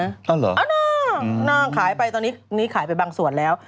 อ่าน่าขายไปตอนนี้ขายไปบางส่วนแล้ว